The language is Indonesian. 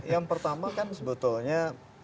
yang pertama kan sebetulnya